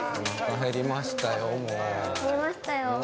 減りましたよ。